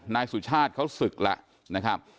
นายสุชาติเขาศึกแล้วนะครับ